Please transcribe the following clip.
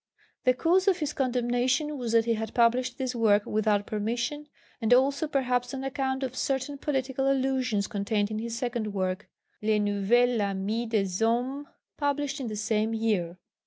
The cause of his condemnation was that he had published this work without permission, and also perhaps on account of certain political allusions contained in his second work, Le Nouvel Ami des Hommes, published in the same year.